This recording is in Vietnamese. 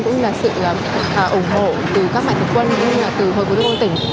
cũng như là sự ủng hộ từ các mạng thực quân cũng như là từ hội quốc đồng hồ chí minh